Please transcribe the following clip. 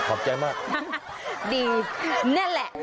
ขอบใจสุดแล้ว